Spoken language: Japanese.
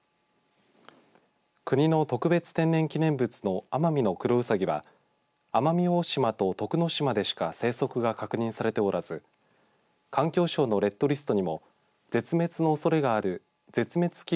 国の特別天然記念物のアマミノクロウサギは奄美大島と徳之島でしか生息が確認されておらず環境省のレッドリストにも絶滅のおそれがある絶滅危惧